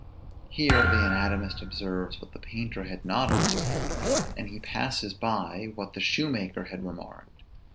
Here the anatomist observes what the painter had not observed; and he passes by what the shoemaker had remarked.